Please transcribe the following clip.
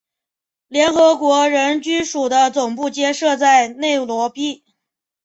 联合国人居署的总部皆设在内罗毕。